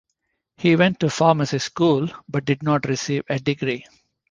He went to pharmacy school but did not receive a degree.